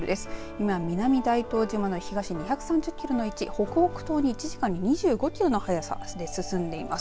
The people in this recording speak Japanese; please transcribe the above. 今南大東島の東２３０キロの位置北北東に１時間に２５キロの速さで進んでいます。